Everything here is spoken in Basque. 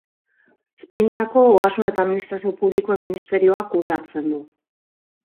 Espainiako Ogasun eta Administrazio Publikoen Ministerioak kudeatzen du.